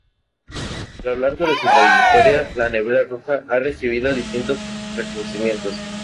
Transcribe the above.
A lo largo de su trayectoria, La Nevera Roja ha recibido distintos reconocimientos.